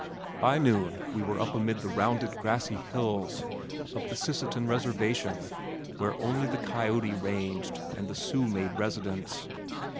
By noon we were up amid the rounded grassy hills of the Sisseton Reservation where only the coyote ranged and the Sioux made residence.